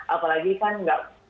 apalagi kan enggak